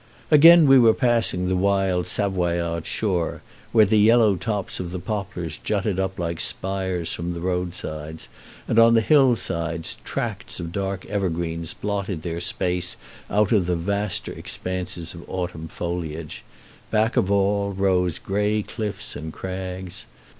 Again we were passing the wild Savoyard shore, where the yellow tops of the poplars jutted up like spires from the road sides, and on the hill sides tracts of dark evergreens blotted their space out of the vaster expanses of autumn foliage; back of all rose gray cliffs and crags.